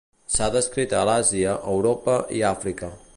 S'ha descrit a l'Àsia, Europa i Àfrica.